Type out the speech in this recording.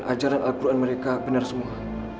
dan ajaran al quran mereka benar semua